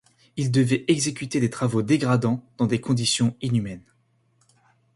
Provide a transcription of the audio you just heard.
Ils devaient exécuter des travaux dégradants dans des conditions inhumaines.